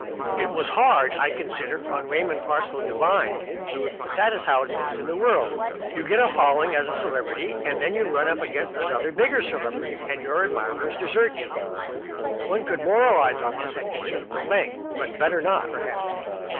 It was hard, I consider, on Raymond Parsloe Devine, but that is how it goes in this world. You get a following as a celebrity, and then you run up against another bigger celebrity and your admirers desert you. One could moralize on this at considerable length, but better not, perhaps.